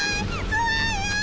怖いよ！